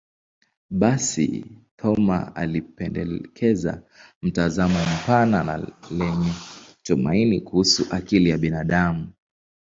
Basi, Thoma alipendekeza mtazamo mpana na lenye tumaini kuhusu akili ya binadamu.